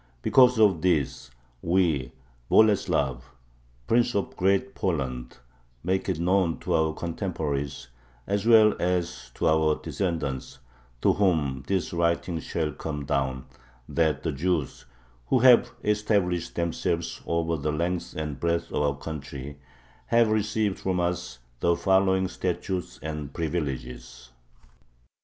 Because of this, we, Boleslav, Prince of Great Poland, make it known to our contemporaries as well as to our descendants, to whom this writing shall come down, that the Jews, who have established themselves over the length and breadth of our country, have received from us the following statutes and privileges.